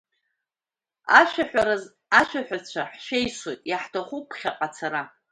Ашәаҳәараз ашәаҳәацәа ҳшәеисоит, иаҳҭахуп ԥхьаҟа ацара.